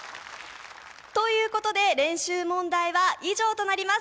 ということで練習問題は以上となります。